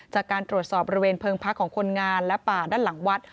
จากการตรวจสอบบริเวณเพิงพักของคนงานและป่าด้านหลังวัด